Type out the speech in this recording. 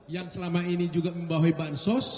yang selama ini juga membawahi bansos